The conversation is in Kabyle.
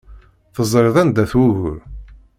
Teẓriḍ anda-t wugur.